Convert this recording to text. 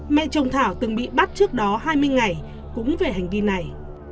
mẹ chồng thảo từng bị bắt trước đó hai mươi ngày cũng về hành vi này